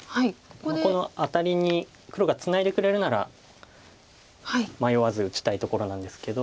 このアタリに黒がツナいでくれるなら迷わず打ちたいところなんですけど。